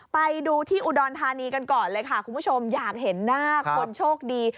ไปดูที่อุดรธานีกันก่อนเลยค่ะคุณผู้ชมอยากเห็นหน้าคนโชคดี